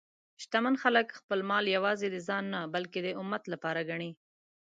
شتمن خلک خپل مال یوازې د ځان نه، بلکې د امت لپاره ګڼي.